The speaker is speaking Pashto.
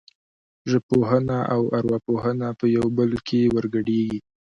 ژبپوهنه او ارواپوهنه په یو بل کې ورګډېږي